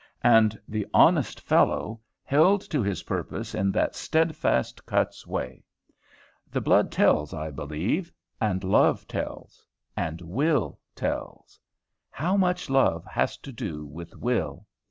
And the honest fellow held to his purpose in that steadfast Cutts way. The blood tells, I believe. And love tells. And will tells. How much love has to do with will!